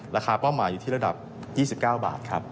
เป้าหมายอยู่ที่ระดับ๒๙บาทครับ